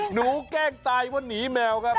หนูแกล้งตายเพราะหนีแมวครับ